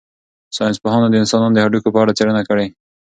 ساینس پوهانو د انسانانو د هډوکو په اړه څېړنه کړې.